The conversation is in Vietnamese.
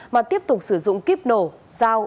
mà tiếp tục sử dụng kíp nổ giao